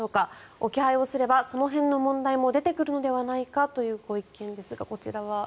置き配すればその辺の問題も出てくるのではないかというご意見ですがこちらは。